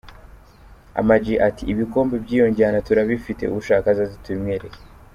Ama G ati ``Ibikombe by’iyo njyana turabifite, ushaka azaze tubimwereke.